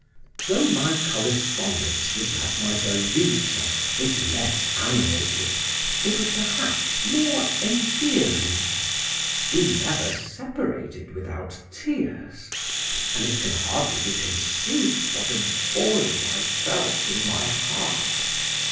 Though my correspondence with Miss Vulson was less animated, it was perhaps more endearing; we never separated without tears, and it can hardly be conceived what a void I felt in my heart.